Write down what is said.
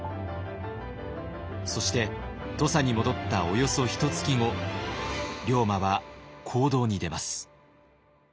そして土佐に戻ったおよそひとつき後龍馬は行動に出ます。